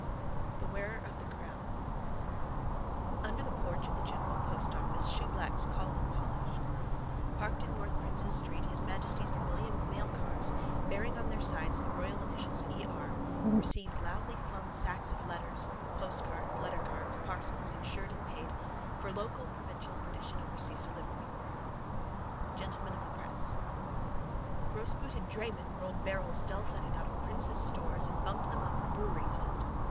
THE WEARER OF THE CROWN Under the porch of the general post office shoeblacks called and polished. Parked in North Prince's street His Majesty's vermilion mailcars, bearing on their sides the royal initials, E. R., received loudly flung sacks of letters, postcards, lettercards, parcels, insured and paid, for local, provincial, British and overseas delivery. GENTLEMEN OF THE PRESS Grossbooted draymen rolled barrels dullthudding out of Prince's stores and bumped them up on the brewery float.